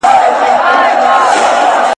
خبره د خبري څخه زېږي.